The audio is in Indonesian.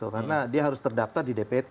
karena dia harus terdaftar di dpt